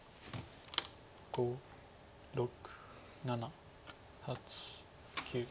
５６７８９。